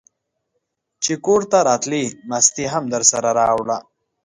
چې کورته راتلې مستې هم درسره راوړه!